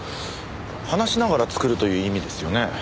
「話しながら作る」という意味ですよね？